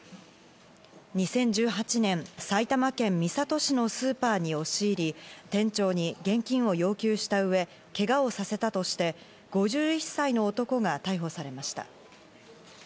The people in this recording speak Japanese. ２０１８年、埼玉県三郷市のスーパーに押し入り、店長に現金を要求した上、けがをさせたとして、５１歳の男が逮捕されました。